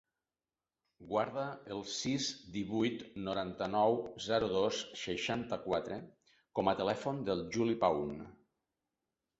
Guarda el sis, divuit, noranta-nou, zero, dos, seixanta-quatre com a telèfon del Juli Paun.